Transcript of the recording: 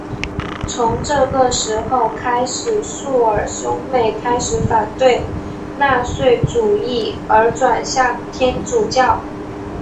从这个时候开始朔尔兄妹开始反对纳粹主义而转向天主教。